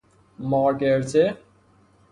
مارگرزه